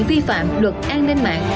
vi phạm luật an ninh mạng